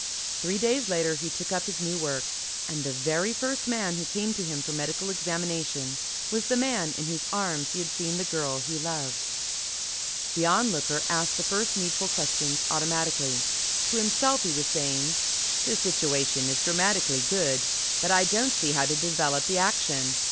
Three days later he took up his new work. And the very first man who came to him for medical examination was the man in whose arms he had seen the girl he loved. The Onlooker asked the first needful questions automatically. To himself he was saying: "The situation is dramatically good; but I don't see how to develop the action.